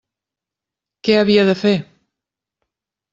Què havia de fer?